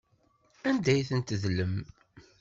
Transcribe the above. Anda ay ten-tedlem?